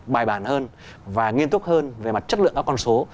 bài bản hơn và nghiên túc hơn về mặt chất lượng các con số